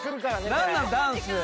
何なんダンス。